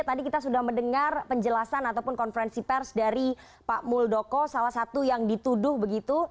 tadi kita sudah mendengar penjelasan ataupun konferensi pers dari pak muldoko salah satu yang dituduh begitu